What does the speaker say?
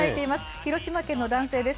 広島県の男性です。